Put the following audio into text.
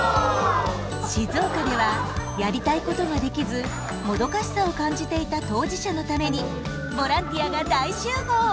静岡ではやりたいことができずもどかしさを感じていた当事者のためにボランティアが大集合。